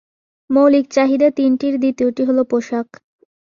মৌলিক চাহিদা তিনটির দ্বিতীয়টি হলো পোশাক।